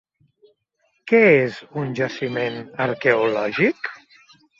Què és un jaciment arqueològic?